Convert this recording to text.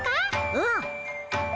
うん。